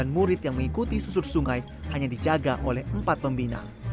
dua ratus empat puluh sembilan murid yang mengikuti susur sungai hanya dijaga oleh empat pembina